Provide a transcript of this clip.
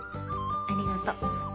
ありがとう。